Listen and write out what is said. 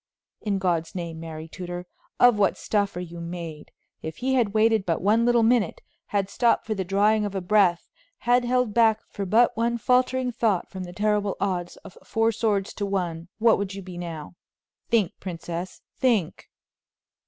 In God's name, Mary Tudor, of what stuff are you made? If he had waited but one little minute; had stopped for the drawing of a breath; had held back for but one faltering thought from the terrible odds of four swords to one, what would you now be? Think, princess, think!"